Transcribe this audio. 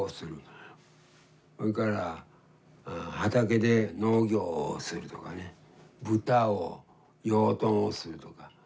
それから畑で農業をするとかね豚を養豚をするとか。